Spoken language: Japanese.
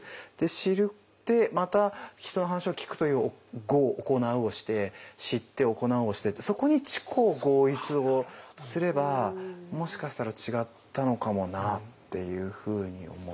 知ってまた人の話を聞くという「行う」をして知って行うをしてってそこに知行合一をすればもしかしたら違ったのかもなっていうふうに思ったり。